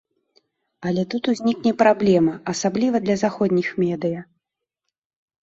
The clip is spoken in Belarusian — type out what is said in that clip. Але тут узнікне праблема, асабліва для заходніх медыя.